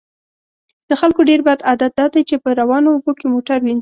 د خلکو ډیر بد عادت دا دی چې په روانو اوبو کې موټر وینځي